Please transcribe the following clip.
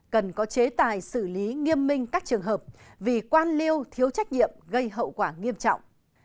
cần có chế tài xử lý nghiêm minh các trường hợp vì quan liêu thiếu trách nhiệm gây hậu quả nghiêm trọng